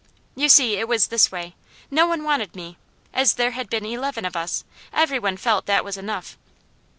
You see it was this way: no one wanted me; as there had been eleven of us, every one felt that was enough.